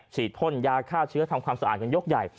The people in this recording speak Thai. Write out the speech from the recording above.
ฉีดพ่นยาฆ่าเชื้อทำความสะอาดกันยกใหญ่